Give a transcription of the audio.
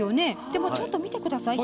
でもちょっと見てください。